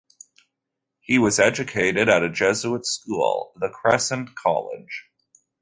He was educated at a Jesuit school, the Crescent College.